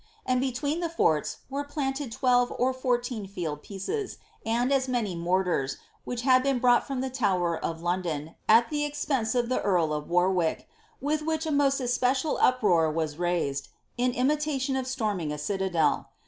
And between the forts were planted twelve or burteen field pieces, and as many mortars, which had been brought torn the Tower of London, at the expense of the earl of Warwick, rith which a most especial uproar was raised, in imitation of storming k citadel.